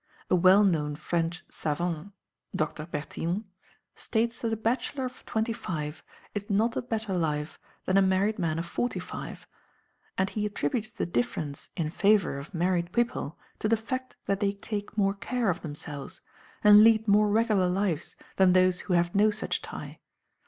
A well known French savant, Dr. Bertillon, states that a bachelor of twenty five is not a better life than a married man of forty five, and he attributes the difference in favour of married people to the fact that they take more care of themselves, and lead more regular lives than those who have no such tie.